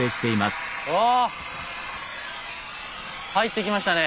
入ってきましたね。